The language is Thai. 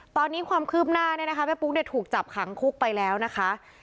ตอนนี้ความคืบหน้าเนี่ยนะคะแม่ปุ๊กเนี่ยถูกจับขังคุกไปแล้วนะคะ